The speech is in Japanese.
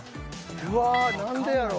うわ何でやろう。